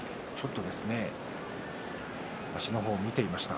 足の方を今も見ていました。